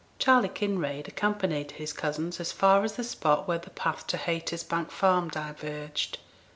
Charley Kinraid accompanied his cousins as far as the spot where the path to Haytersbank Farm diverged.